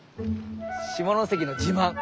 下関の自慢！